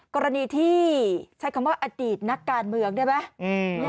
กรณีที่ใช้คำว่าอดีตนักการเมืองได้ไหม